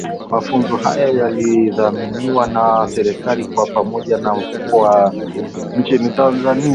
Mafunzo haya yalidhaminiwa na serikali kwa pamoja na mfuko wa Ebert Stiftung nchini Tanzania